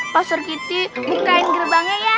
pasar kiti bukain gerbangnya ya